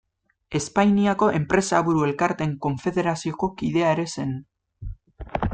Espainiako Enpresaburu Elkarteen Konfederazioko kidea ere zen.